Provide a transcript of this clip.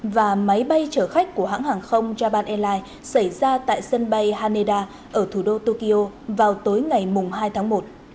và máy bay chở khách của hãng hàng không japan airlines xảy ra tại sân bay haneda ở thủ đô tokyo vào tối ngày hai tháng một